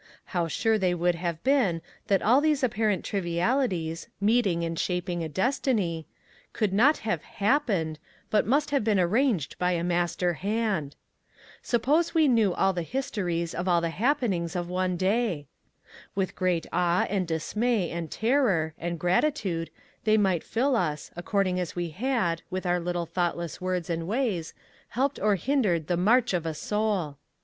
How sure they would have been that all these apparent trivialities, meeting and shaping a destiny, could not have happened, but must have been arranged by a Master hand ! Suppose we knew all the histories of all the hap penings of one day? With what awe, and dismay, and terror, and gratitude, they might fill us, according as we had, with our little thoughtless words and ways, helped or 238 ONE COMMONPLACE DAY. •V hindered the march of a soul!